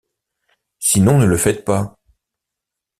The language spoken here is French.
Sinon ne le faites pas.